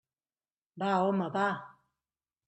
Va, home, va.